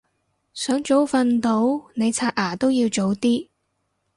想早瞓到你刷牙都要早啲